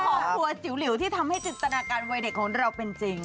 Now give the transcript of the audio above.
ของตัวจิ๋วหลิวที่ทำให้จินตนาการวัยเด็กของเราเป็นจริง